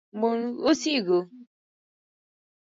مونږ اوسیږو